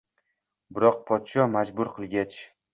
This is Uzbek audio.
Biroq podsho majbur qilgach